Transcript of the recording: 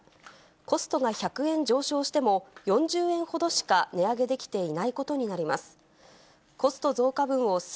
コストが１００円上昇しても、４０円ほどしか値上げできていないことになります。